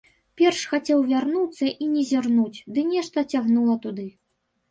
Перш хацеў вярнуцца і не зірнуць, ды нешта цягнула туды.